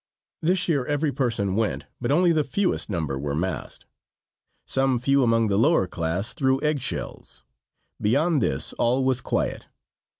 This year every person went, but only the fewest number were masked. Some few among the lower class threw egg shells. Beyond this all was quiet.